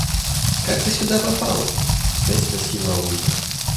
Как ты сюда попала? – опять спросила Ольга.